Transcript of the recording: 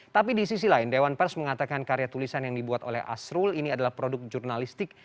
tapi di sisi lain dewan pers mengatakan karya tulisan yang dibuat oleh asrul ini adalah produk jurnalistik